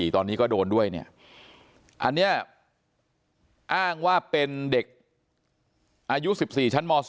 ตอนนี้ก็โดนด้วยเนี่ยอันนี้อ้างว่าเป็นเด็กอายุ๑๔ชั้นม๒